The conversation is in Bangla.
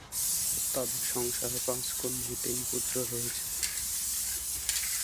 তাদের সংসারে পাঁচ কন্যা ও তিন পুত্র রয়েছে।